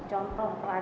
gak mau pembantu